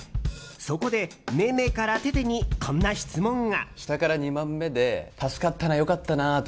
そこで、めめからテテにこんな質問が。